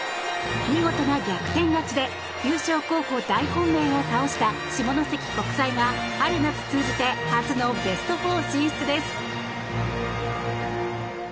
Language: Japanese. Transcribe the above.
見事な逆転勝ちで優勝候補大本命を倒した下関国際が春夏通じて初のベスト４進出です。